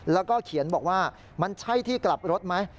แล้วก็เขียนบอกว่ามันใช่ที่กลับรถไหม